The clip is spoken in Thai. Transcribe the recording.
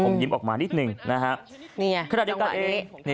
อมยิ้มออกมานิดนึงนะฮะ